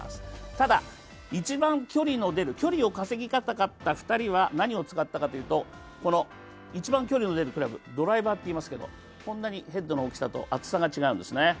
ただ、一番距離の出る、距離を稼ぎたかった２人は何を使ったかというと一番距離の出るクラブ、ドライバーといいますがこんなにヘッドの大きさと厚さが違うんですね。